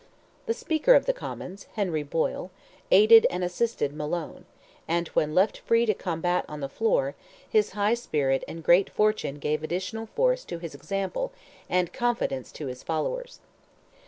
The Speaker of the Commons, Henry Boyle, aided and assisted Malone, and when left free to combat on the floor, his high spirit and great fortune gave additional force to his example and confidence to his followers.